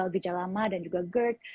gejala mah dan juga gerd